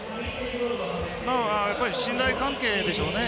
やはり信頼関係でしょうね。